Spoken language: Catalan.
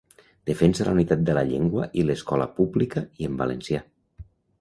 Defensa la unitat de la llengua i l'escola pública i en valencià.